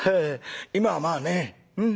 今はまあね